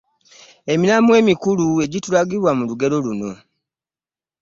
Emiramwa emikulu egitulagibwa mu lugero luno.